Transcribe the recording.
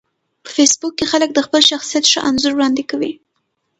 په فېسبوک کې خلک د خپل شخصیت ښه انځور وړاندې کوي